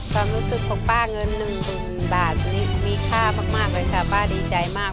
ความรู้สึกของป้าเงินหนึ่งหมื่นบาทนี้มีค่ามากเลยค่ะป้าดีใจมาก